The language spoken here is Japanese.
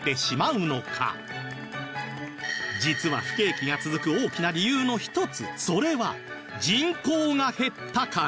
実は不景気が続く大きな理由の一つそれは人口が減ったから？